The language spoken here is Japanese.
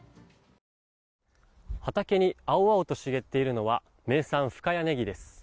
畑に青々としげっているのは名産・深谷ねぎです。